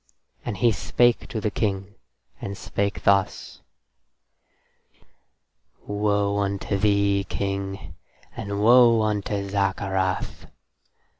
And he spake to the King, and spake thus: "Woe unto thee, King, and woe unto Zaccarath.